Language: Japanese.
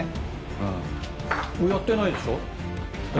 やってないでしょ？